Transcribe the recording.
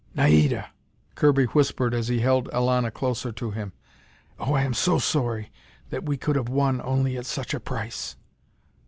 "Naida " Kirby whispered as he held Elana closer to him, "oh, I am so sorry that we could have won only at such a price."